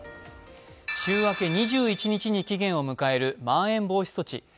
週明け２１日に期限を迎えるまん延防止措置。